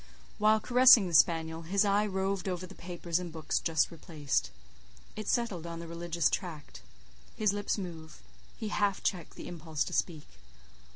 While caressing the spaniel, his eye roved over the papers and books just replaced; it settled on the religious tract. His lips moved; he half checked the impulse to speak.